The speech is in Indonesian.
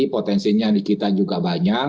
potensinya di kita juga banyak